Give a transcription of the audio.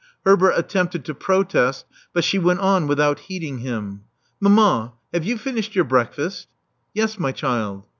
Herbert attempted to protest; but she went on without heeding him. *• Mamma: have you finished your breakfast?" *'Yes, my child."